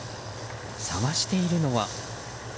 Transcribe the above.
捜しているのは。